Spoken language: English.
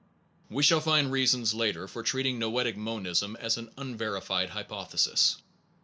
We shall find reasons later for treating noetic monism as an unverified hypothesis.